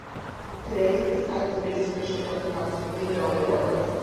Today, it is the site of the biggest Christian Orthodox Cathedral in the world.